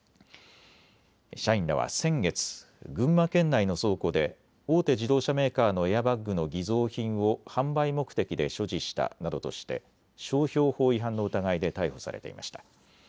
社員らは先月、群馬県内の倉庫で大手自動車メーカーのエアバッグの偽造品を販売目的で所持したなどとして商標法違反の疑いで逮捕されていました。